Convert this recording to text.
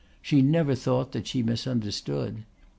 She never thought that she misunderstood.